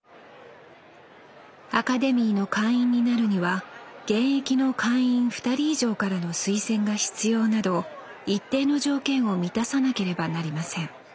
アカデミーの会員になるには現役の会員２人以上からの推薦が必要など一定の条件を満たさなければなりません